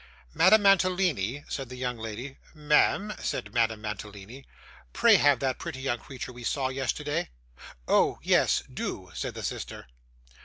'Madame Mantalini,' said the young lady. 'Ma'am,' said Madame Mantalini. 'Pray have up that pretty young creature we saw yesterday.' 'Oh yes, do,' said the sister.